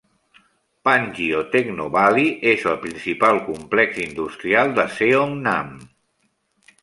Pangyo Technovalley és el principal complex industrial de Seongnam.